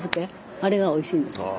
あれがおいしいんです。